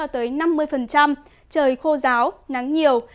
trời khô giáo nắng nhiều